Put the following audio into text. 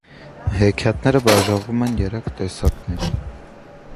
Հեքիաթները բաժանվում են երեք տեսակների։